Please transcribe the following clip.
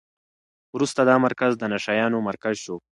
وروسته دا مرکز د نشه یانو مرکز شو.